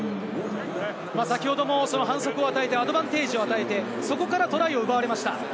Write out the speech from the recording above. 先ほども反則を与えて、アドバンテージを与えて、そこからトライを奪われました。